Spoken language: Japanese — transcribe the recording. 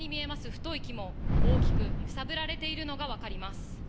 太い木も大きく揺さぶられているのが分かります。